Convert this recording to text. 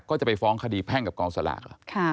ก็จะไปฟ้องคดีแพ่งกับกองสลากเหรอ